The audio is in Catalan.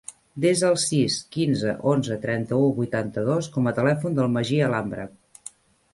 Desa el sis, quinze, onze, trenta-u, vuitanta-dos com a telèfon del Magí Alhambra.